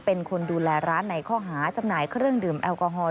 เป็นคนดูแลร้านในข้อหาจำหน่ายเครื่องดื่มแอลกอฮอล